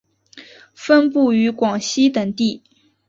分布于广西等地。